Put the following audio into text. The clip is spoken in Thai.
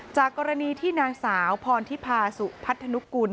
จากกรณีที่นางสาวพรทิพาสุพัฒนุกุล